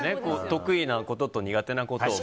得意なことと苦手なことを。